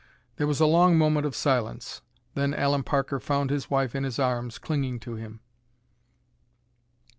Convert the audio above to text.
There was a long moment of silence. Then Allen Parker found his wife in his arms, clinging to him.